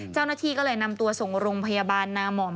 เจ้าหน้าที่ก็เลยนำตัวส่งโรงพยาบาลนามอม